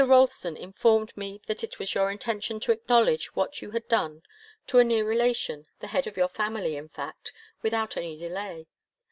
Ralston informed me that it was your intention to acknowledge what you had done to a near relation, the head of your family, in fact, without any delay.